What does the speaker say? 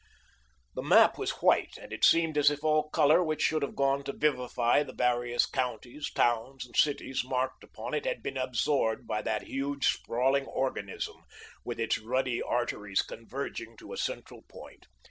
The map was white, and it seemed as if all the colour which should have gone to vivify the various counties, towns, and cities marked upon it had been absorbed by that huge, sprawling organism, with its ruddy arteries converging to a central point.